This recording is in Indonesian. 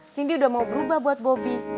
cindy udah mau berubah buat bobby